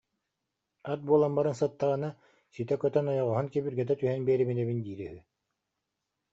Ат буолан баран сыттаҕына, ситэ көтөн ойоҕоһун кибиргэтэ түһэн биэриминэбин диирэ үһү